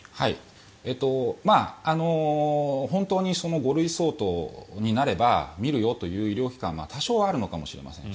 本当に５類相当になれば診るよという医療機関は多少あるのかもしれません。